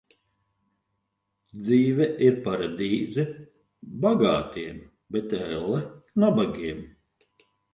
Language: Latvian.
Dzīve ir paradīze bagātiem, bet elle nabagiem.